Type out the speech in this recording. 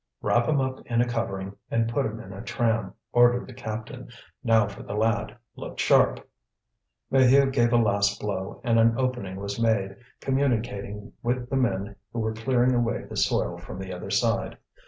"Wrap him up in a covering, and put him in a tram," ordered the captain. "Now for the lad; look sharp." Maheu gave a last blow, and an opening was made, communicating with the men who were clearing away the soil from the other side.